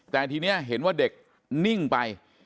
แต่ทีนี้เห็นว่าเด็กนิ่งไป